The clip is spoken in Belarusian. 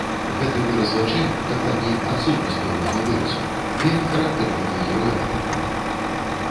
Гэты выраз вачэй, дакладней, адсутнасць пэўнага выразу, вельмі характэрны для героя авантуры.